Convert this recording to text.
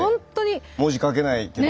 文字書けないけど。